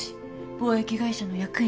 貿易会社の役員。